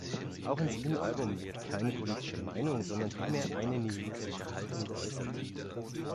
Auch in diesem Album wird keine politische Meinung, sondern vielmehr eine nihilistische Haltung geäußert.